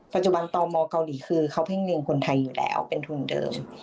ปัจจุบันตมเกาหลีคือเขาเพ่งเลียงคนไทยอยู่แล้วเป็นทุนเดิม